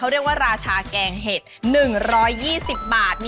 เรียกว่าราชาแกงเห็ด๑๒๐บาท